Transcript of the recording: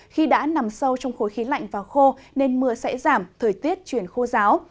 khi đã nằm sâu trong khối khí lạnh và khô nên mưa sẽ giảm thời tiết chuyển khô giáo